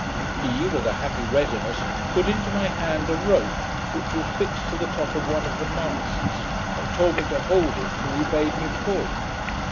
He, with a happy readiness, put into my hand a rope, which was fixed to the top of one of the masts, and told me to hold it till he bade me pull.